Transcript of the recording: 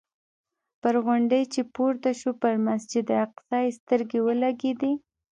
پر غونډۍ چې پورته شو پر مسجد الاقصی یې سترګې ولګېدې.